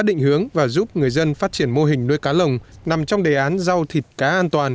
định hướng và giúp người dân phát triển mô hình nuôi cá lồng nằm trong đề án rau thịt cá an toàn